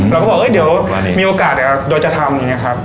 เราก็บอกว่าเดี๋ยวมีโอกาสเคยะโดยจะทำอย่างเนี้ยครับ